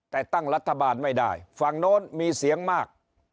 แต่ตั้งรัฐบาลไม่ได้ฝั่งโน้นมีเสียงมาก